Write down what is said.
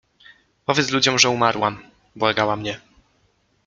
„Powiedz ludziom, że umarłam” — błagała mnie.